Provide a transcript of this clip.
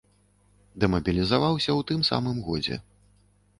Дэмабілізаваўся ў тым самым годзе.